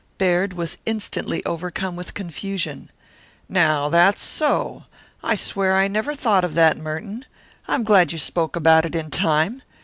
Baird was instantly overcome with confusion. "Now, that's so! I swear I never thought of that, Merton. I'm glad you spoke about it in time.